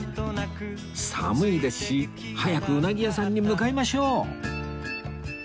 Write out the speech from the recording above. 寒いですし早くうなぎ屋さんに向かいましょう